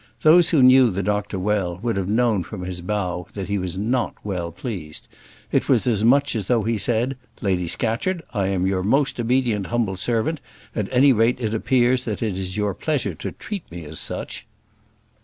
Those who knew the doctor well, would have known from his bow that he was not well pleased; it was as much as though he said, "Lady Scatcherd, I am your most obedient humble servant; at any rate it appears that it is your pleasure to treat me as such."